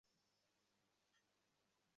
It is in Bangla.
বেশী সসয় তো লাগেনি।